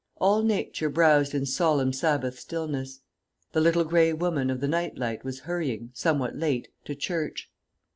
All nature browsed in solemn Sabbath stillness. The Little Grey Woman of the Night Light was hurrying, somewhat late, to church.